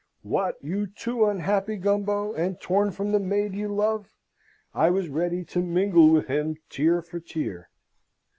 What, you too unhappy, Gumbo, and torn from the maid you love? I was ready to mingle with him tear for tear.